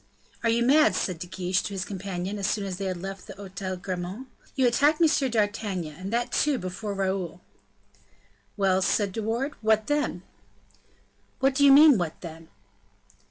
"Are you mad?" said De Guiche to his companion, as soon as they had left the Hotel de Grammont; "you attack M. d'Artagnan, and that, too, before Raoul." "Well," said De Wardes, "what then?" "What do you mean by 'what then?